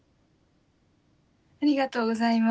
ありがとうございます。